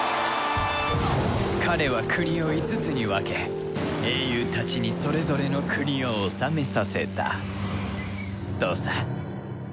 彼は国を５つに分け英雄たちにそれぞれの国を治めさせたとさ。